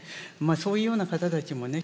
そういうような方たちもね